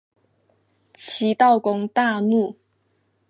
齐悼公大怒。